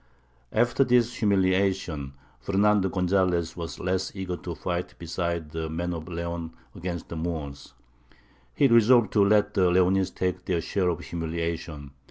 After this humiliation, Fernando Gonzalez was less eager to fight beside the men of Leon against the Moors; he resolved to let the Leonese take their share of humiliation.